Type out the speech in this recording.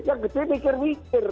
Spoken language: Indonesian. yang besar mikir mikir